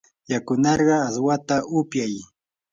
yakunarqaa aswata upyay.